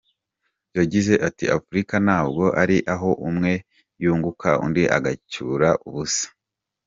Yagize ati “Afurika ntabwo ari aho umwe yunguka undi agacyura ubusa.